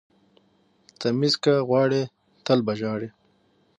ـ تميز که غواړئ تل به ژاړئ.